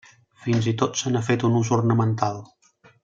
Fins i tot se n'ha fet un ús ornamental.